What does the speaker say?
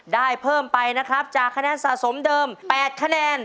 ได้เพิ่มไปนะครับจากคะแนนสะสมเดิม๘คะแนน